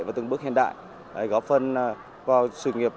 và từng bước hiện đại góp phần vào sự nghiệp